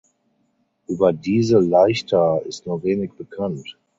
Über diese Leichter ist nur wenig bekannt.